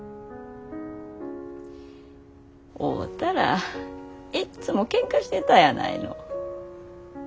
会うたらいっつもケンカしてたやないの。